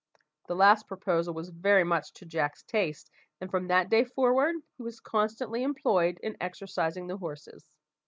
This last proposal was very much to Jack's taste, and from that day forward, he was constantly employed in exercising the horses.